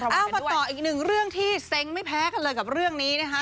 เอามาต่ออีกหนึ่งเรื่องที่เซ้งไม่แพ้กันเลยกับเรื่องนี้นะคะ